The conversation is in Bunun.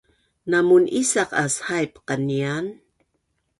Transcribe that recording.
Namun’isaq aas haip qanian?